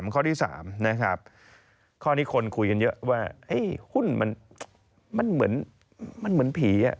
ข้อที่๓ข้อนี้คนคุยกันเยอะว่าหุ้นมันเหมือนผี